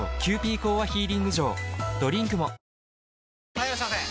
はいいらっしゃいませ！